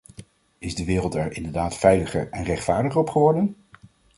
Is de wereld er inderdaad veiliger en rechtvaardiger op geworden?